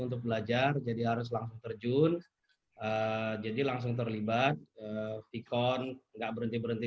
untuk belajar jadi harus langsung terjun jadi langsung terlibat vkon enggak berhenti berhenti